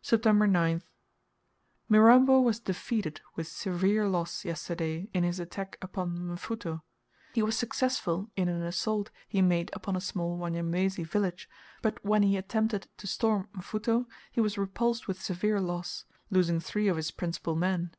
September 9th. Mirambo was defeated with severe loss yesterday, in his attack upon Mfuto. He was successful in an assault he made upon a small Wanyamwezi village, but when he attempted to storm Mfuto, he was repulsed with severe loss, losing three of his principal men.